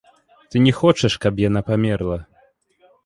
Ты не хочаш, каб яна памерла!